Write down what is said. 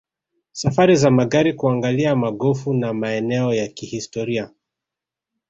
Safari za magari kuangalia magofu na maeneo ya kihistoria